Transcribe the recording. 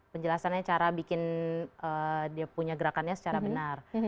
penjelasannya cara bikin dia punya gerakannya secara benar